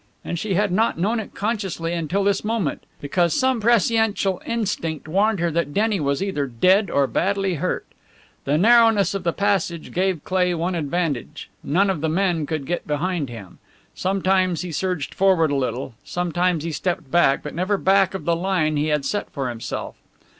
And she had not known it consciously until this moment. Because some presciential instinct warned her that Denny was either dead or badly hurt! The narrowness of the passage gave Cleigh one advantage none of the men could get behind him. Sometimes he surged forward a little, sometimes he stepped back, but never back of the line he had set for himself.